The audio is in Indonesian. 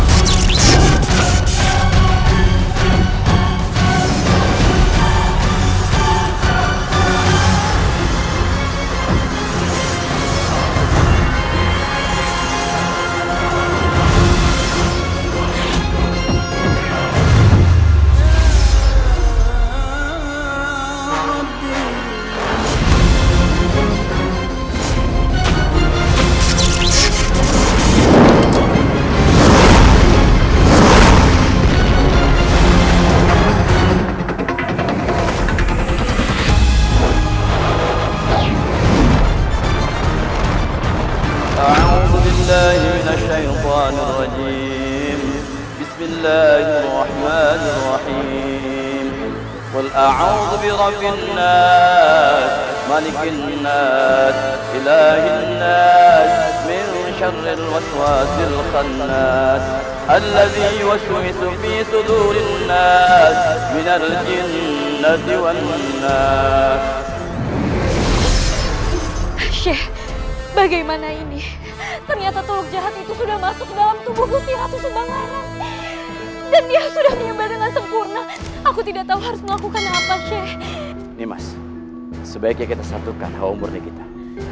sebaiknya kita santukan hawa umurnya kita